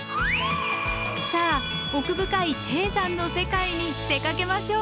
さあ奥深い低山の世界に出かけましょう。